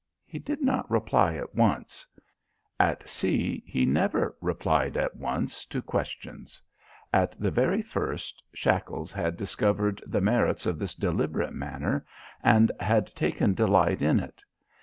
He did not reply at once. At sea, he never replied at once to questions. At the very first, Shackles had discovered the merits of this deliberate manner and had taken delight in it.